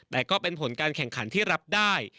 แต่ก็เป็นผลการแข่งขันที่รับได้